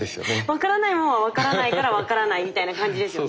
分からないもんは分からないから分からないみたいな感じですよね。